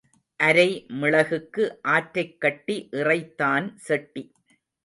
அரை மிளகுக்கு ஆற்றைக் கட்டி இறைத்தான் செட்டி.